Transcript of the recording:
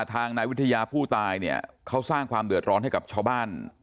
ทางนายวิทยาผู้ตายเนี่ยเขาสร้างความเดือดร้อนให้กับชาวบ้าน